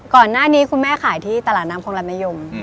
ก่อนหน้านี้คุณแม่ขายที่ตลาดน้ำคลองรัฐมะยม